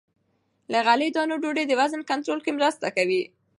له غلې- دانو ډوډۍ د وزن کنټرول کې مرسته کوي.